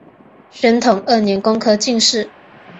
宣统二年工科进士。